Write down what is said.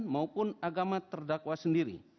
maupun agama terdakwa sendiri